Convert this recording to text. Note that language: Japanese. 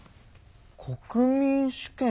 国民主権？